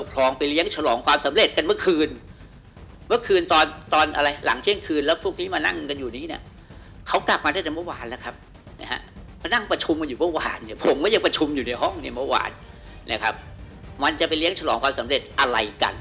เพราะนั่งประชุมกันอยู่เมื่อวานเนี่ยผมก็ยังประชุมอยู่ในห้องเนี่ยเมื่อวานนะครับมันจะไปเลี้ยงฉลองความสำเร็จอะไรกัน